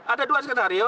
ada dua skenario